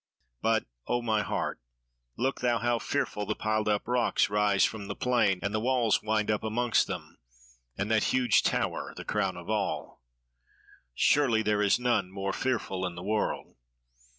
But O, my heart, look thou how fearful the piled up rocks rise from the plain and the walls wind up amongst them; and that huge tower, the crown of all! Surely there is none more fearful in the world."